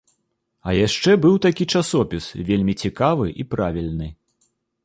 А яшчэ быў такі часопіс, вельмі цікавы і правільны.